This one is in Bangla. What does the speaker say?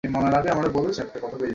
ভুল করে ফেলেছি সাজ্জাদ!